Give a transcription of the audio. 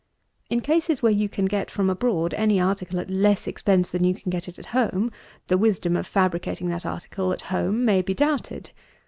In cases where you can get from abroad any article at less expense than you can get it at home, the wisdom of fabricating that article at home may be doubted.